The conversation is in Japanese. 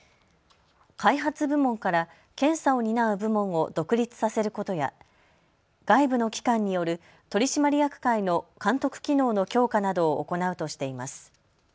開発部門から検査を担う部門を独立させることや、外部の機関による取締役会の監督機能の強化などを行うとしています。